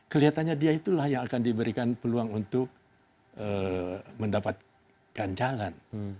kelihatannya dia itulah yang akan diberikan peluang untuk mendapatkan jalan